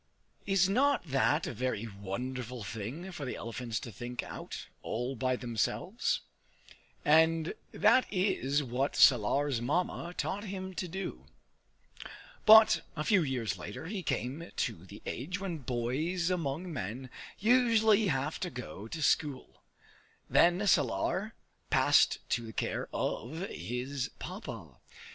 Is not that a very wonderful thing for the elephants to think out, all by themselves? And that is what Salar's Mamma taught him to do. But, a few years later, he came to the age when boys among men usually have to go to school. Then Salar passed to the care of his Papa.